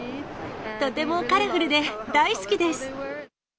とてもカラフルで大好きです。